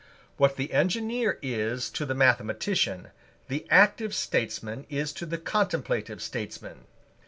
What the engineer is to the mathematician, the active statesman is to the contemplative statesman.